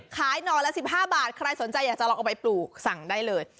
หน่อละ๑๕บาทใครสนใจอยากจะลองเอาไปปลูกสั่งได้เลย